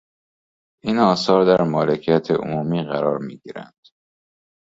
این آثار در مالکیت عمومی قرار میگیرند.